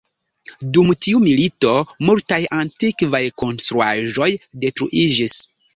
Dum tiu milito multaj antikvaj konstruaĵoj detruiĝis.